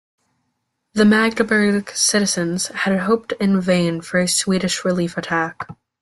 The Magdeburg citizens had hoped in vain for a Swedish relief attack.